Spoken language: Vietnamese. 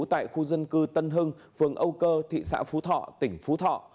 tại khu dân cư tân hưng phường âu cơ thị xã phú thọ tỉnh phú thọ